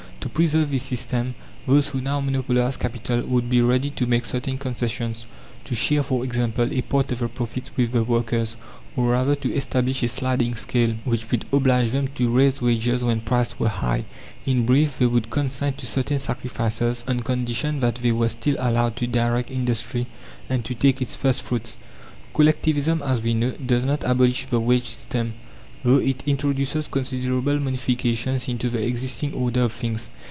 To preserve this system, those who now monopolize capital would be ready to make certain concessions; to share, for example, a part of the profits with the workers, or rather to establish a "sliding scale," which would oblige them to raise wages when prices were high; in brief they would consent to certain sacrifices on condition that they were still allowed to direct industry and to take its first fruits. Collectivism, as we know, does not abolish the wage system, though it introduces considerable modifications into the existing order of things.